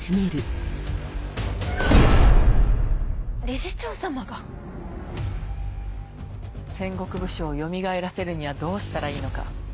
理事長様が⁉戦国武将をよみがえらせるにはどうしたらいいのか。